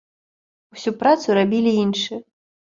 Усю працу рабілі іншыя.